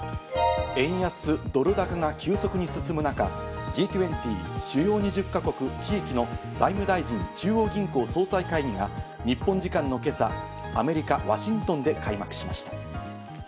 円安ドル高が急速に進む中、Ｇ２０＝主要２０か国・地域の財務大臣・中央銀行総裁会議が日本時間の今朝、アメリカ・ワシントンで開幕しました。